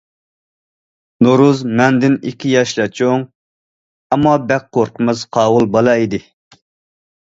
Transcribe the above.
نورۇز مەندىن ئىككى ياشلا چوڭ، ئەمما بەك قورقماس، قاۋۇل بالا ئىدى.